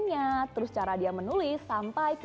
di jualan di jualan